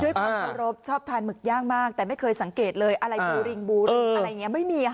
ด้วยคนสรบชอบทานหมึกย่างมากแต่ไม่เคยสังเกตเลยอะไรบูริงอะไรเนี่ยไม่มีค่ะ